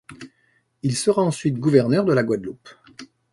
Il sera ensuite gouverneur de la Guadeloupe.